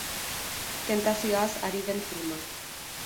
Tentazioaz ari den filma.